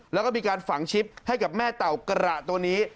แล้วก็มีการฝังชิปให้กับแม่เต่ากระตัวนี้